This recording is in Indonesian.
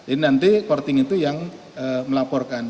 ini nanti courting itu yang melaporkan